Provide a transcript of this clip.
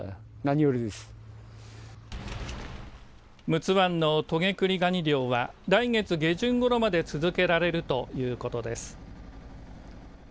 陸奥湾のトゲクリガニ漁は来月下旬ごろまで続けられるということです。